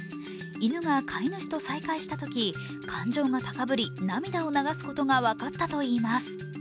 犬が飼い主と再会したとき、感情が高ぶり涙を流すことが分かったといいます。